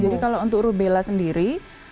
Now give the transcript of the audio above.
jadi kalau untuk rubela sendiri